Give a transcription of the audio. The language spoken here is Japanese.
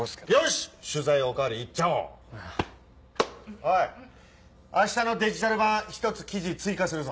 おい明日のデジタル版１つ記事追加するぞ。